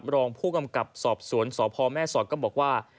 รองผู้กำกับสอบสวนสพแม่สอดก็บอกว่า